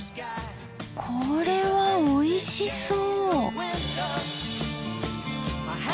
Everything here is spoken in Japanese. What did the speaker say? これはおいしそう。